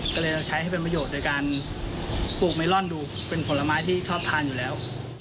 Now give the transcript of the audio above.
ก็เลยใช้ให้เป็นประโยชน์ในการปลูกเมลอนดูเป็นผลไม้ที่ชอบทานอยู่แล้ว